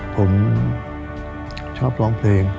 ผมชอบร้องเพลง